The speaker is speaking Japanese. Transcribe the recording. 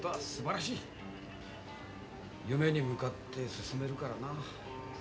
夢に向かって進めるからな。